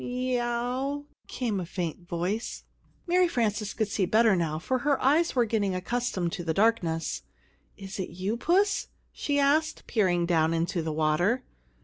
"Me ow!" came a faint voice. Mary Frances could see better now, for her eyes were getting accustomed to the darkness. "Is it you, Puss?" she asked, peering down into the water.